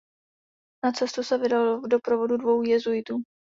Na cestu se vydal v doprovodu dvou jezuitů.